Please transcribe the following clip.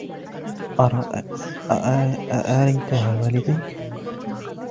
أأريتها والديك ؟